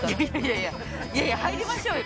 いやいや入りましょうよ。